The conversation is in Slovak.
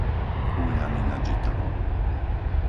Úľany nad Žitavou